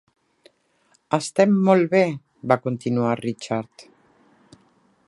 "Estem molt bé", va continuar Richard.